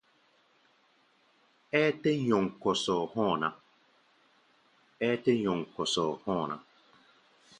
Ɛ́ɛ́ tɛ́ nyɔŋ kɔsɔ hɔ̧́ɔ̧ ná.